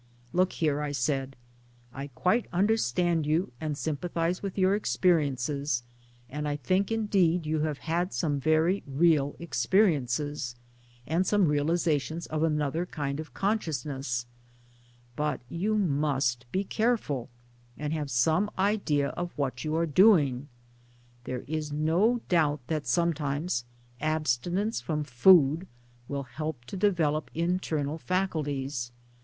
" Look here !" I said, " I quite understand you, and sympathize with your experiences and I think indeed you have had some very real experiences, and some realizations of another kind of conscious ness ; but you must be careful, and have some idea of what you are doing. There is no doubt that sometimes abstinence from food will help to develop internal faculties.